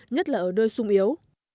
nhất là ở nơi sung yếu